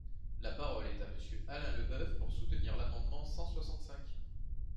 La parole est à Monsieur Alain Leboeuf, pour soutenir l’amendement numéro cent soixante-cinq.